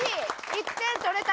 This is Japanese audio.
１点取れたのは。